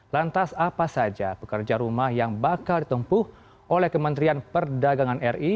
lantas apa saja pekerja rumah yang bakal ditempuh oleh kementerian perdagangan ri